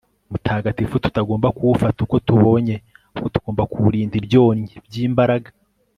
mutagatifu, tutagomba kuwufata uko tubonye, ahubwo tugomba kuwurinda ibyonnyi by'imbaraga